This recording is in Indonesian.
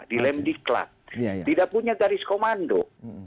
di lem di klat tidak punya garis komando